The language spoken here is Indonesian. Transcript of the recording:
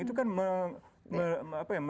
itu kan mengalami